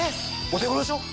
お手頃でしょ？